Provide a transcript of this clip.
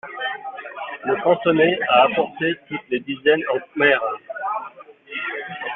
Le cantonais a apporté toutes les dizaines en khmer.